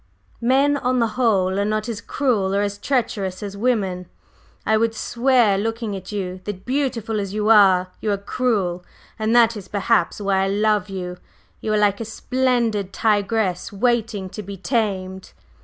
"Men on the whole are not as cruel or as treacherous as women. I would swear, looking at you, that, beautiful as you are, you are cruel, and that is perhaps why I love you! You are like a splendid tigress waiting to be tamed!"